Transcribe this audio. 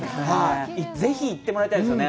ぜひ行ってもらいたいですよね。